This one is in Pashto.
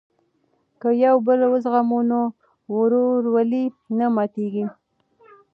که یو بل وزغمو نو ورورولي نه ماتیږي.